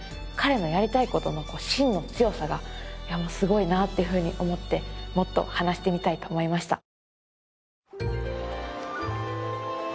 彼のやりたい事の芯の強さがすごいなっていうふうに思ってもっと話してみたいと思いました。